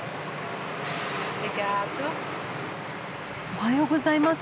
おはようございます。